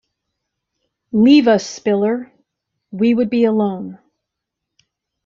Leave us, Spiller; we would be alone.